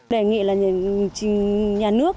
đề nghị là nhà nước